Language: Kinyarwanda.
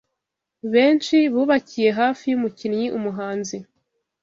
benshi bubakiye hafi yumukinnyi umuhanzi